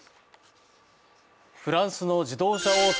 フランスの自動車大手